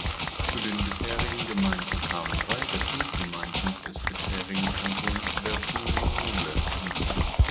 Zu den bisherigen Gemeinden kamen drei der fünf Gemeinden des bisherigen Kantons Vertou-Vignoble hinzu.